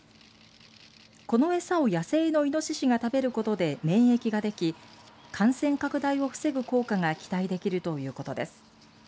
このエサを野生のイノシシが食べることで免疫ができ感染拡大を防ぐ効果が期待できるということです。